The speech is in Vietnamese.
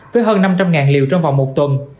với hơn năm trăm linh liều trong vòng một tuần